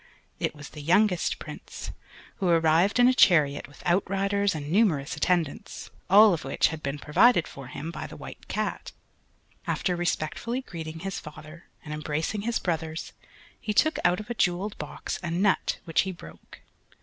It was the youngest Prince who arrived in a chariot with out riders and numerous attendants, all of which had been provided for him by the White Cat. After respectfully greeting his father and embracing his brothers, he took out of a jewelled box a nut which he broke.